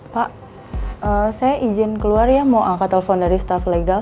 pak saya izin keluar ya mau angka telepon dari staff legal